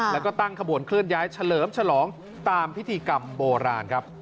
แล้วก็ตั้งขบวนเคลื่อนย้ายเฉลิมฉลองตามพิธีกรรมโบราณครับ